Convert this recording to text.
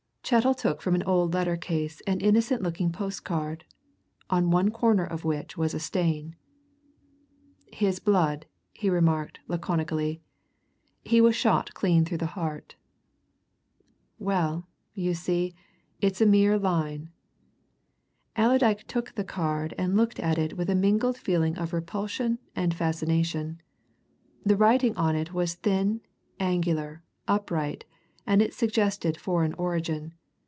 Chettle took from an old letter case an innocent looking postcard, on one corner of which was a stain. "His blood," he remarked laconically. "He was shot clean through the heart. Well, you see, it's a mere line." Allerdyke took the card and looked at it with a mingled feeling of repulsion and fascination. The writing on it was thin, angular, upright, and it suggested foreign origin.